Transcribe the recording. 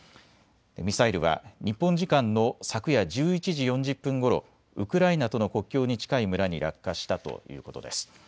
ミサイルは日本時間の昨夜１１時４０分ごろ、ウクライナとの国境に近い村に落下したということです。